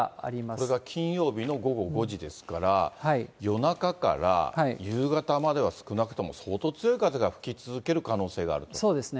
これが金曜日の午後５時ですから、夜中から夕方までは少なくとも相当強い風が吹き続ける可能性があそうですね。